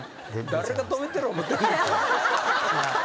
誰が止めてる思てんねんと。